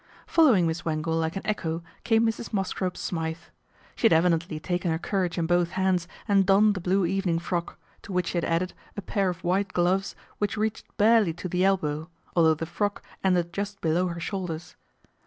Following Miss Wangle like an echo came Mrs. Mosscrop Smythe. She had evidently taken her courage in both hands and donned the blue even ing frock, to which she had added a pair of white gloves which reached barely to the elbow, although the frock ended just below her shoulders.